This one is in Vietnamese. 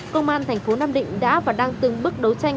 công an thành phố nam định đã và đang từng bước đấu tranh